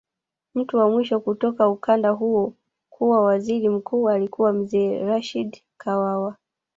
Mtu wa mwisho kutoka ukanda huo kuwa waziri mkuu alikuwa Mzee Rashid Kawawa